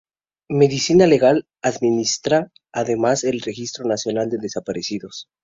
Medicina Legal administra además el Registro Nacional de Desaparecidos.